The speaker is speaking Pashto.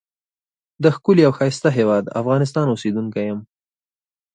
دښکلی او ښایسته هیواد افغانستان اوسیدونکی یم.